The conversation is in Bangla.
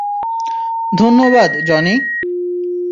ধন্যবাদ, জনি।